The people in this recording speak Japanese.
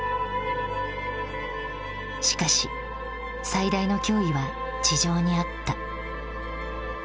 しかし最大の脅威は地上にあった。